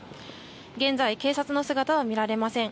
現在、警察の姿は見られません。